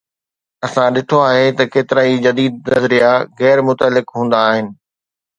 اسان ڏٺو آهي ته ڪيترائي جديد نظريا غير متعلق هوندا آهن.